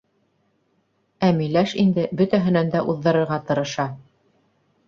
Ә Миләш инде бөтәһенән дә уҙҙырырға тырыша.